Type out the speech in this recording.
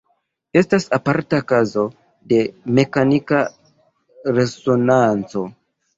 Estas aparta kazo de mekanika resonanco.